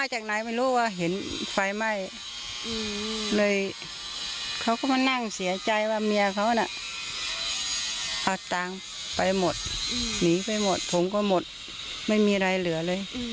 หนีไปหมดถงก็หมดไม่มีอะไรเหลือเลย